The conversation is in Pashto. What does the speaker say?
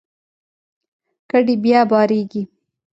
کډې بیا بارېږي.